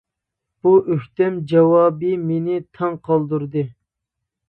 بۇ ئۆكتەم جاۋابى مېنى تاڭ قالدۇردى.